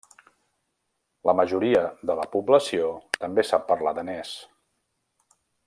La majoria de la població també sap parlar danès.